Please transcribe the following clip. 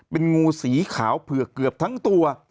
เป็นงูสีขาวเผือกเกือบทั้งตัว